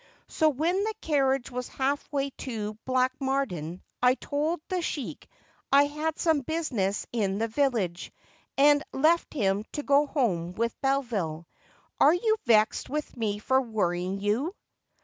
So when the carriage was half way to Blatchmardean I told the Sheik I had some business in the village, and left him to go home with Beville. Are you vexed with me for worrying you